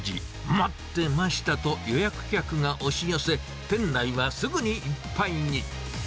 待ってましたと予約客が押し寄せ、店内はすぐにいっぱいに。